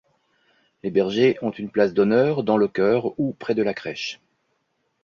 Les bergers ont une place d’honneur dans le chœur ou près de la crèche.